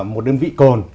một đơn vị cồn